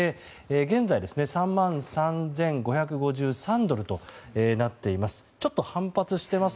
現在、３万３５５３ドルとなっています。